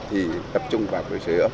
thì tập trung vào quyền sửa